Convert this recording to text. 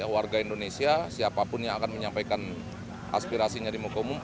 warga indonesia siapapun yang akan menyampaikan aspirasinya di muka umum